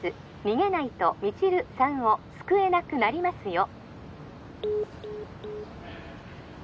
☎逃げないと未知留さんを救えなくなりますよ